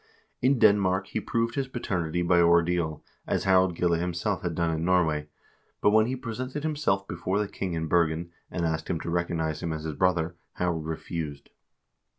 In Denmark he proved his paternity by ordeal, as Harald Gille himself had done in Norway, but when he presented himself before the king in Bergen, and asked him to recognize him as his brother, Harald refused.